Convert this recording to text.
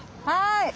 はい。